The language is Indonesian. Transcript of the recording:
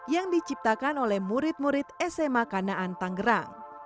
yang diciptakan oleh murid murid sma kanaan tanggerang